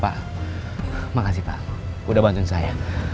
pak makasih pak udah bantuin saya